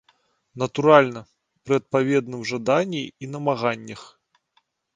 Натуральна, пры адпаведным жаданні і намаганнях.